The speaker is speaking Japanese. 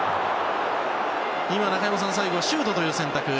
中山さん最後シュートという選択。